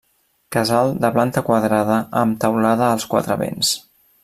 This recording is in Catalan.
Casal de planta quadrada amb teulada als quatre vents.